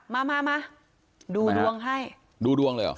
มาดูดวงให้